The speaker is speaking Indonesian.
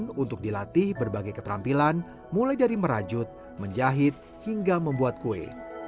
ini untuk dilatih berbagai keterampilan mulai dari merajut menjahit hingga membuat kue